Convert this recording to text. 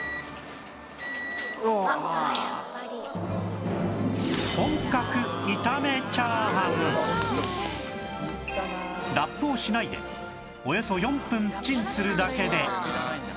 「あっやっぱり」ラップをしないでおよそ４分チンするだけで